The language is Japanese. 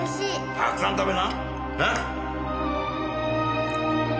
たくさん食べな。な！